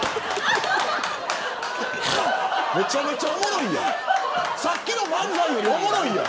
めちゃめちゃおもろいやん。